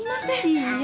いいえ。